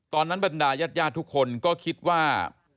ตอนนั้นบรรดายาดทุกคนก็คิดว่า